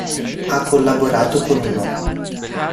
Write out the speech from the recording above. Ha collaborato con uno